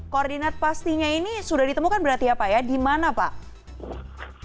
koordinat pastinya ini sudah ditemukan berarti apa ya di mana pak